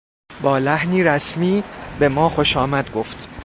با لحنی رسمی به ما خوشامد گفت.